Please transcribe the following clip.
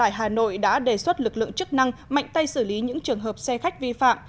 sở giao thông vận tại hà nội đã đề xuất lực lượng chức năng mạnh tay xử lý những trường hợp xe khách vi phạm